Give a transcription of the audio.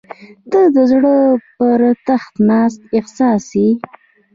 • ته د زړه پر تخت ناست احساس یې.